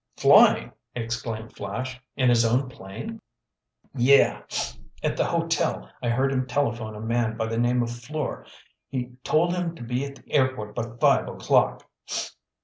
"Flying!" exclaimed Flash. "In his own plane?" "Yeah. At the hotel I heard him telephone a man by the name of Fleur. He told him to be at the airport by five o'clock."